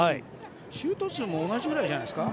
シュート数も同じぐらいじゃないですか？